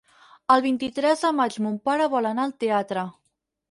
El vint-i-tres de maig mon pare vol anar al teatre.